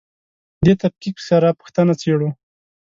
دې تفکیک سره پوښتنه څېړو.